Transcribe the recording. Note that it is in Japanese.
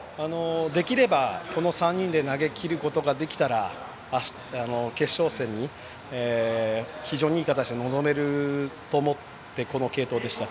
できれば、その３人で投げきることができたら決勝戦に非常にいい形で臨めると思ってこの継投でした。